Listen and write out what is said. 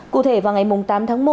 cụ thể vào ngày tám tháng một